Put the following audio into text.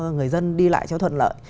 người dân đi lại cho thuận lợi